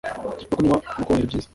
no kunywa no kubonera ibyiza